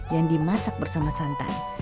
yang dimasak bersama santan